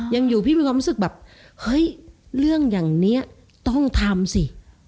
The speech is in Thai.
ยังอยู่พี่มีความรู้สึกแบบเฮ้ยเรื่องอย่างนี้ต้องทำสิ